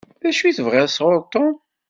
D acu i tebɣiḍ sɣur Tom?